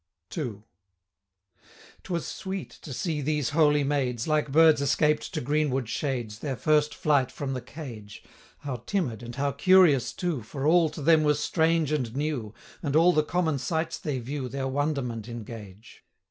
II. 'Twas sweet, to see these holy maids, Like birds escaped to green wood shades, Their first flight from the cage, How timid, and how curious too, 25 For all to them was strange and new, And all the common sights they view, Their wonderment engage.